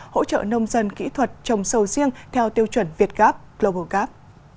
hỗ trợ nông dân kỹ thuật trồng sầu riêng theo tiêu chuẩn việt gap global gap